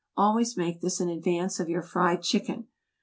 Always make this in advance of your fried chicken.